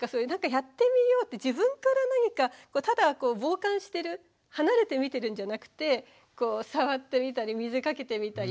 やってみようって自分から何かただ傍観してる離れて見てるんじゃなくて触ってみたり水かけてみたりね